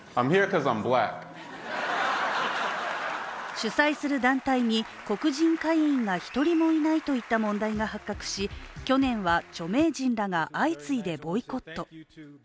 主催する団体に黒人会員が１人もいないといった問題が発覚し去年は著名人らが相次いでボイコット。